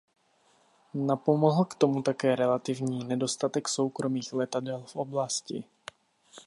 Napomohl k tomu také relativní nedostatek soukromých letadel v oblasti.